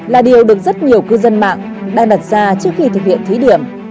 là điều được rất nhiều cư dân mạng đang đặt ra trước khi thực hiện thí điểm